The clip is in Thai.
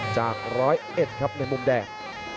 จากร้อยเอ็ดครับในมุมแดง